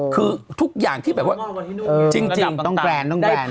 คือทุกอย่างที่แบบว่าจริงการต้องพูดบ้านหลังวันนี่นี่